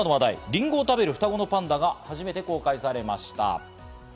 リンゴを食べる双子のパンダが初めて公開されました。